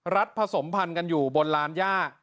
ผสมพันธุ์กันอยู่บนลานย่า